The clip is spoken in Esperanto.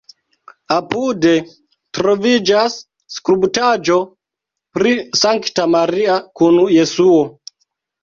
Apude troviĝas skulptaĵo pri Sankta Maria kun Jesuo.